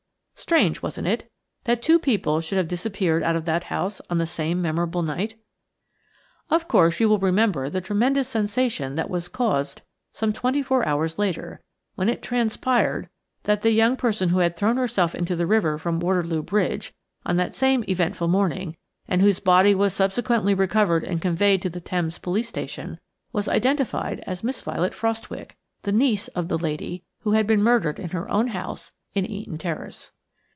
Strange, wasn't it, that two people should have disappeared out of that house on that same memorable night? Of course, you will remember the tremendous sensation that was caused some twenty four hours later, when it transpired that the young person who had thrown herself into the river from Waterloo Bridge on that same eventful morning, and whose body was subsequently recovered and conveyed to the Thames Police station, was identified as Miss Violet Frostwicke, the niece of the lady who had been murdered in her own house in Eaton Terrace.